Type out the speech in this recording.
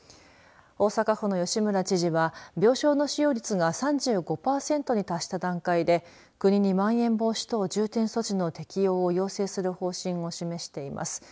大阪府の吉村知事は病床の使用率が３５パーセントに達した段階で国に、まん延防止等重点措置の適用を要請する方針を示しています。